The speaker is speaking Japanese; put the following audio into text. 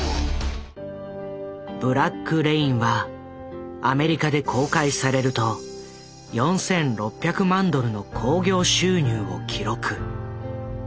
「ブラック・レイン」はアメリカで公開されると４，６００万ドルの興行収入を記録。